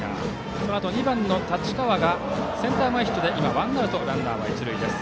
そのあと２番の太刀川がセンター前ヒットで今、ワンアウトランナー、一塁です。